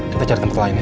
kita cari tempat lain ya